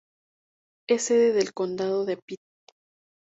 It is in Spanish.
Es sede del condado de Pitt.